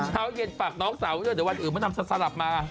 เช้าเย็นฝากน้องสาวไว้ด้วยเดี๋ยววันอื่นมดำจะสลับมา